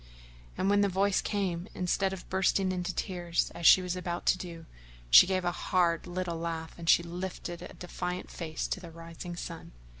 And when the voice came, instead of bursting into tears as she was about to do, she gave a hard little laugh and she lifted a defiant face to the rising sun.